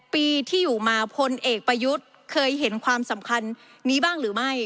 ปีที่อยู่มาพลเอกประยุทธ์เคยเห็นความสำคัญนี้บ้างหรือไม่